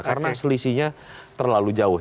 karena selisihnya terlalu jauh